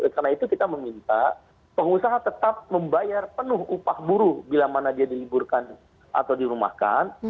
karena itu kita meminta pengusaha tetap membayar penuh upah buruh bila mana dia diliburkan atau dirumahkan